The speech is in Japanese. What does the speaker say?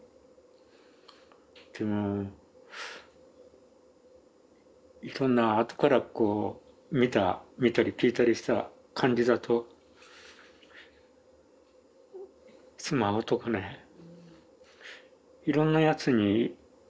でもいろんなあとからこう見た見たり聞いたりした感じだとスマホとかねいろんなやつに痕跡が残ってたんですよ。